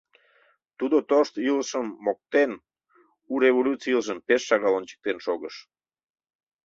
Тудо тошт илышым моктен, у, революций илышым пеш шагал ончыктен шогыш.